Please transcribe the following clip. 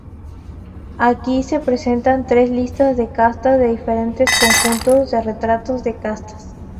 Aquí se presentan tres listas de castas de diferentes conjuntos de retratos de castas.